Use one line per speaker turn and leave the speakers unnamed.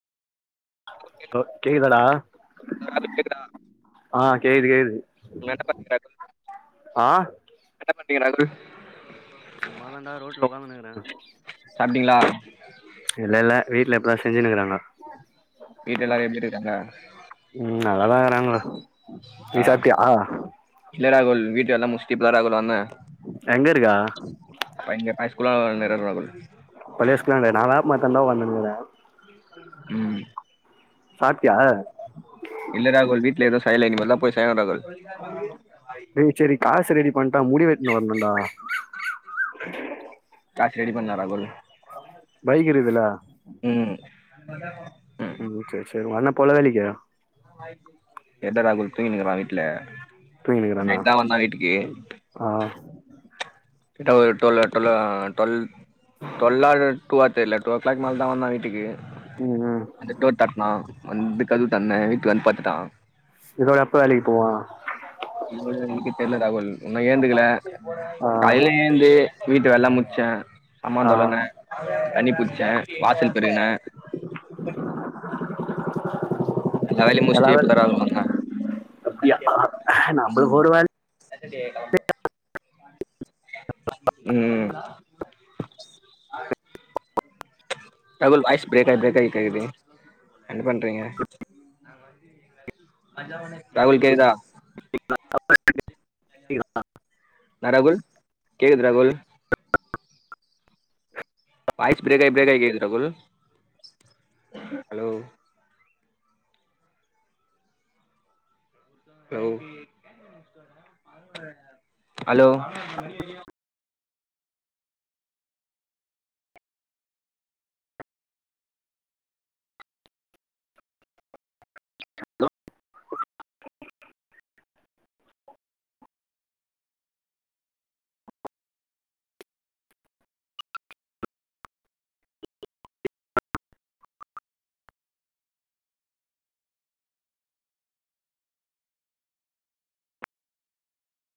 ராகுல் கேக்குதா
ஒ கேக்குதாடா
ராகுல் கேக்குதா
ஆ கேக்குது கேக்குது
என்ன பண்றீங்க ராகுல்
ஆ
என்ன பண்றீங்க ராகுல்
சும்மா தான்டா ரோட்ல உக்காந்துனுக்கிறே
சாப்டிங்களா
இல்ல இல்ல வீட்டல இப்பதா செஞ்சுன்னு இருக்குறாங்க
வீட்டு எல்லாரும் எப்படி இருக்காங்க
ம் அதெல்லா [unintelligible] நீ
ஆ
சாப்ட்டயா
இல்ல ராகுல் வீட்டு வேலலா முடிச்சுட்டு இப்பதா ராகுல் வந்தே
எங்க இருக்க
இங்க பாய்ஸ் ஸ்கூல்ல தா [unintelligible] ராகுல்
பழைய ஸ்கூலாண்ட நா வேப்ப மரத்தாண்ட தா உக்காந்துருக்குறே
ம்
சாப்ட்டியா
இல்ல ராகுல் வீட்ல எதும் செய்யல இனிமேல் தா போய் செய்யனு ராகுல்
டே சேரி காசு ரெடி பண்ட்டா முடி வெட்டினு வரனுன்டா
காசு ரெடி பண்ணு ராகுல்
பைக் இருக்குதுல்ல
ம்
ம் சேர் சேர் உங்க அண்ணே போலைல இன்னைக்கு
எட்ட ரகுல் தூங்கினுக்குறா வீட்டு்ல
தூங்கினுக்குறானா ஆ
கிட்ட ஒரு ட்வல்லோ ட்வல்லோ டுவல் டுவெல்லா டூவா தெர்ல டூ ஓ கிளாக் மேலே தா வந்தா வீட்டுக்கு
ம் ம்
வந்து டோர் தட்டுனா வந்து கதுவு தொறந்தே வீட்டுல வந்து படுத்துட்டான்
இதோட எப்ப வேலைக்கு போவா
[unintelligible] தெரில்ல தகவல் இன்னு ஏந்துக்கல
ஆ
காலைல ஏந்து வீட் வெலல்லா முச்செ அம்மா
ஆ
தொல்லன்ன தண்ணி புச்சே வாசல் பெருக்குன எல்லா வேலயு முச்சுட்டு இப்பதா ராவுக்கு வந்த
அப்டியா நம்மளுக்கு ஒரு வேல
சகஜெ கெளம்பு உம் ராகுல் வாய்ஸ் பிரேக்காகி பிரேக்காகி கேக்குது என்ன பண்றீங்க ராகுல் கேக்தா
[inaudible]
என்ன ராகுல் கேக்குது ராகுல் வாய்ஸ் பிரேக் ஆகி பிரேக் ஆயி கேக்குது ராகுல் ஹலோ ஹலோ ஹலோ